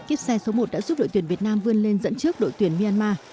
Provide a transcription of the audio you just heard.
kiếp xe số một đã giúp đội tuyển việt nam vươn lên dẫn trước đội tuyển myanmar